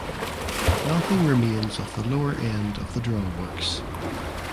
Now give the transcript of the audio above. Nothing remains of the lower end of the draw works.